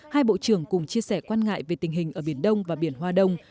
hai bộ trưởng cùng chia sẻ quan ngại về tình hình ở biển đông và biển hoa đông